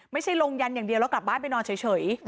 ไม่ใช่ลงยันอย่างเดียวแล้วกลับบ้านไปนอนเฉย